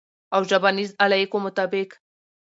او ژبنیز علایقو مطابق